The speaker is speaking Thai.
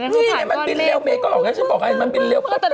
นี่ไงมันบินเร็วเมย์ก็ออกแล้วฉันบอกไงมันบินเร็ว